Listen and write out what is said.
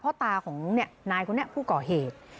พ่อตาของนายคนนี้ผู้ก่อเหตุ